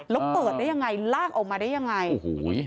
แล้วเปิดได้ยังไงลากออกมาได้ยังไงโอ้โห